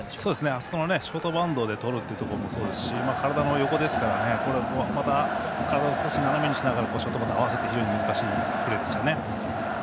あそこのショートバウンドでとるというところもそうですし体の横ですから、体を斜めにしながらショートコーナーを合わせて難しいプレーですよね。